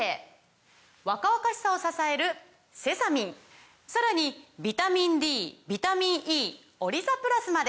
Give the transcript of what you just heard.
若々しさを支えるセサミンさらにビタミンＤビタミンＥオリザプラスまで！